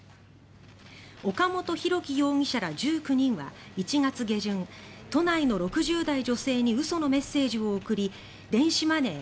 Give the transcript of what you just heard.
岡本大樹容疑者ら１９人は１月下旬都内の６０代女性に嘘のメッセージを送り電子マネー